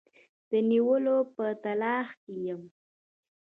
د نیولو په تلاښ کې یم.